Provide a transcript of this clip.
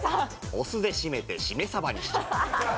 お酢で締めてシメサバにしちゃう。